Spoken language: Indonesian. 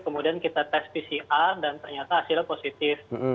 kemudian kita tes pcr dan ternyata hasilnya positif